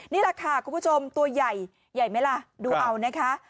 นี่แหละค่ะคุณผู้ชมตัวใหญ่ใหญ่ไหมล่ะดูเอานะคะ